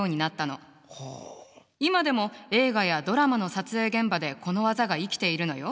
今でも映画やドラマの撮影現場でこの技が生きているのよ。